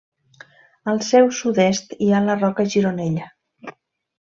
Al seu sud-est hi ha la Roca Gironella.